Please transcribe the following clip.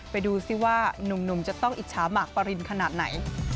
ไปดูซิว่านุ่มจะต้องอิจฉาหมากปรินขนาดไหน